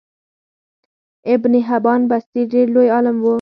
ابن حبان بستي ډیر لوی عالم وو